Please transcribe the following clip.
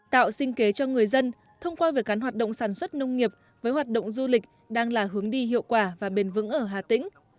tạo sinh kế cho người dân thông qua việc gắn hoạt động sản xuất nông nghiệp với hoạt động du lịch đang là hướng đi hiệu quả và bền vững ở hà tĩnh